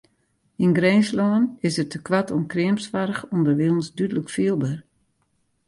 Yn Grinslân is it tekoart oan kreamsoarch ûnderwilens dúdlik fielber.